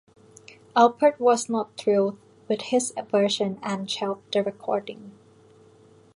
Alpert was not thrilled with his version and shelved the recording.